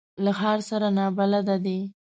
له ښار سره نابلده دي.